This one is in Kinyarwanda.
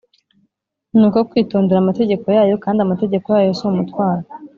ni uko twitondera amategeko yayo kandi amategeko yayo si umutwaro